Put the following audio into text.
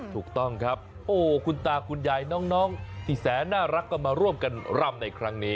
ถูกต้องครับโอ้คุณตาคุณยายน้องที่แสนน่ารักก็มาร่วมกันรำในครั้งนี้